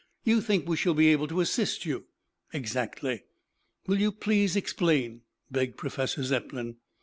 "You think we shall be able to assist you?" "Exactly." "Will you please explain?" begged Professor Zepplin.